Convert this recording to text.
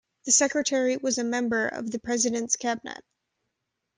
The secretary was a member of the President's Cabinet.